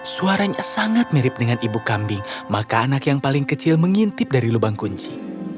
suaranya sangat mirip dengan ibu kambing maka anak yang paling kecil mengintip dari lubang kunci